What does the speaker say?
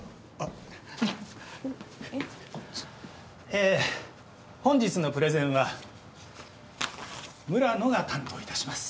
え本日のプレゼンは村野が担当いたします。